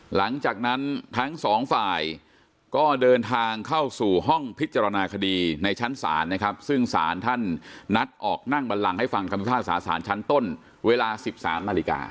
หลังจากนั้นทั้งสองฝ่ายก็เดินทางเข้าสู่ห้องพิจารณาคดีในชั้นศาลนะครับซึ่งศาลท่านนัดออกนั่งบันลังให้ฟังคำพิพากษาสารชั้นต้นเวลา๑๓นาฬิกา